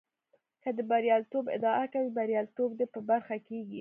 که د برياليتوب ادعا کوې برياليتوب دې په برخه کېږي.